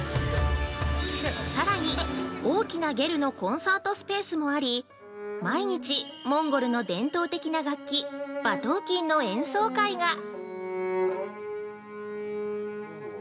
さらに、大きなゲルのコンサートスペースもあり、毎日、モンゴルの伝統的な楽器「馬頭琴」の演奏会が！